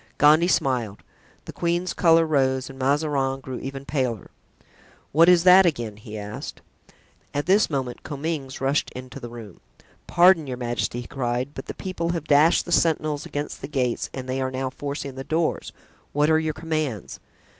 Gondy smiled, the queen's color rose and Mazarin grew even paler. "What is that again?" he asked. At this moment Comminges rushed into the room. "Pardon, your majesty," he cried, "but the people have dashed the sentinels against the gates and they are now forcing the doors; what are your commands?"